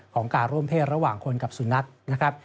ของการร่วมเพศระหว่างคนกับสุนัขนะครับ